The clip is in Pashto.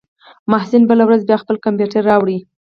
محسن بله ورځ بيا خپل کمپيوټر راوړ.